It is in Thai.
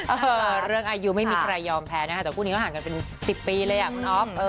เออเรื่องอายุไม่มีใครยอมแพ้นะคะแต่คู่นี้ก็ห่างกันเป็น๑๐ปีเลยอ่ะคุณอ๊อฟ